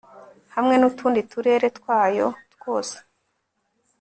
hamwe n'utundi turere twayo twose